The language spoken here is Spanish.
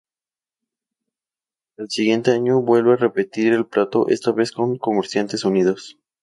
Al siguiente año vuelve a repetir el plato esta vez con Comerciantes Unidos.